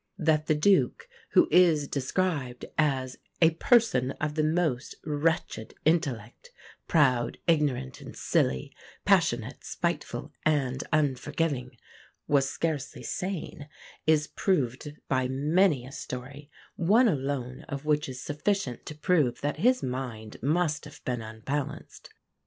That the Duke, who is described as "a person of the most wretched intellect, proud, ignorant, and silly, passionate, spiteful and unforgiving," was scarcely sane is proved by many a story, one alone of which is sufficient to prove that his mind must have been unbalanced.